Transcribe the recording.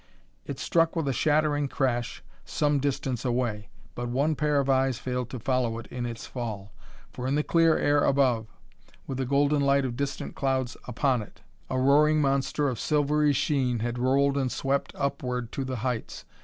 It struck with a shattering crash some distance away, but one pair of eyes failed to follow it in its fall. For in the clear air above, with the golden light of distant clouds upon it, a roaring monster of silvery sheen had rolled and swept upward to the heights.